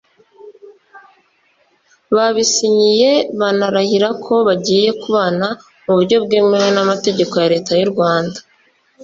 Babisinyiye banarahira ko bagiye kubana mu buryo bwemewe n'amategeko ya Leta y'u Rwanda